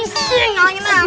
ini sih ngalangin aja